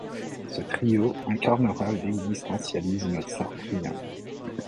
Ce trio incarnera l'existentialisme sartrien.